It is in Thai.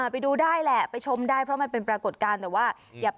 ไปดูได้แหละไปชมได้เพราะมันเป็นปรากฎการณ์